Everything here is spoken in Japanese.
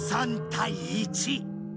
１３対１。